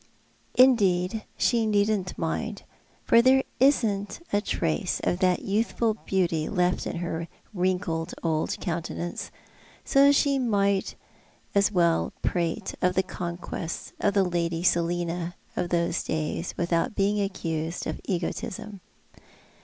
'" Indeed she needn't mind, for there isn't a trace of that youth ful beauty left in her wrinkled old countenance; so she may prate of the conquests of the Lady Selina of those days without being accused of egotism.